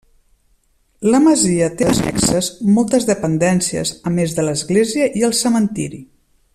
La masia té annexes moltes dependències a més de l'església i el cementiri.